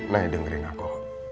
nay dengerin aku